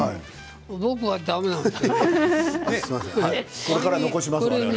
僕は、だめなんです。